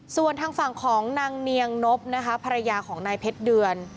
ส่วนทางฝั่งของนางเนียงนบนะคะภรรยาของนายเพชรเดือน